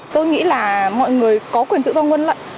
tôi nghĩ là mọi người có quyền tự do ngân lận